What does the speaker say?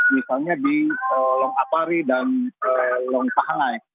misalnya di lomapari dan lompahangai